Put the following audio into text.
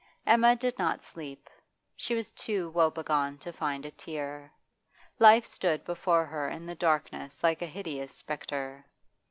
Emma did not sleep. She was too wobegone to find a tear. Life stood before her in the darkness like a hideous spectre.